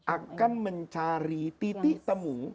akan mencari titik temu